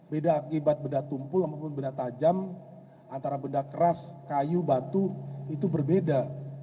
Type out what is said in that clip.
beda akibat beda tumpul ataupun beda tajam antara beda keras kayu batu itu berbeda